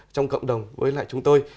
trong cộng đồng với lại chúng tôi